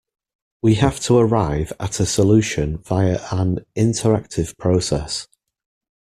We have to arrive at a solution via an interactive process.